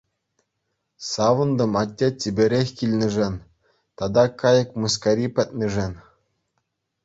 Савӑнтӑм атте чиперех килнишӗн тата кайӑк мыскари пӗтнишӗн.